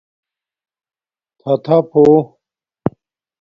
تھاتھپ ہݸ